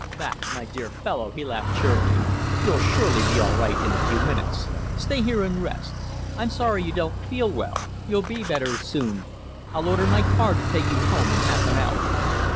"Bah! my dear fellow," he laughed cheerily. "You'll surely be all right in a few minutes. Stay here and rest. I'm sorry you don't feel well. You'll be better soon. I'll order my car to take you home in half an hour."